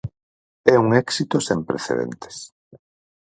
É un éxito sen precedentes.